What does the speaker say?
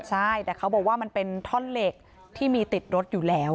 ใช่แต่เขาบอกว่ามันเป็นท่อนเหล็กที่มีติดรถอยู่แล้ว